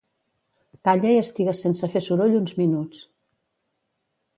Calla i estigues sense fer soroll uns minuts.